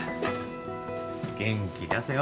元気出せよ。